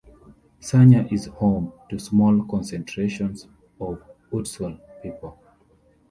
Sanya is home to small concentrations of Utsul people.